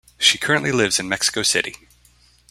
She currently lives in Mexico City.